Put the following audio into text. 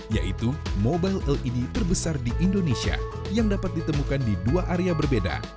yaitu mobile led terbesar di indonesia yang dapat ditemukan di dua area berbeda